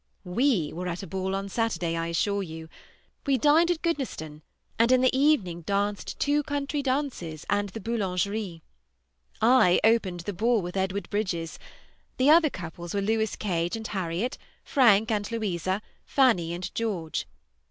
We were at a ball on Saturday, I assure you. We dined at Goodnestone, and in the evening danced two country dances and the Boulangeries. I opened the ball with Edward Bridges; the other couples were Lewis Cage and Harriet, Frank and Louisa, Fanny and George.